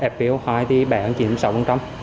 f hai thì bẻ hơn chín mươi sáu